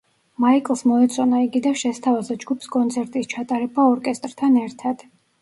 მაიკლს მოეწონა იგი და შესთავაზა ჯგუფს კონცერტის ჩატარება ორკესტრთან ერთად.